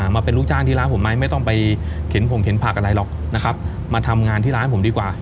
มาเป็นลูกจ้างที่ร้านผมไหมไม่ต้องไปเข็นผงเข็นผักอะไรหรอกนะครับมาทำงานที่ร้านผมดีกว่า